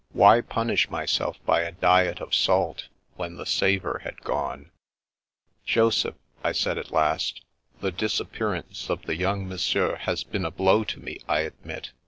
Why punish myself by a diet of salt when the savour had gone ?" Joseph," I said at last, " the disappearance of the young Monsieur has been a blow to me, I admit.